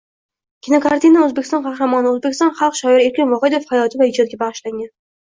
Kinokartina Oʻzbekiston Qahramoni, Oʻzbekiston xalq shoiri Erkin Vohidov hayoti va ijodiga bagʻishlangan.